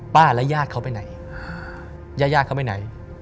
ป้าแล้วยาดเขาไปไหนยาดเขาไปไหน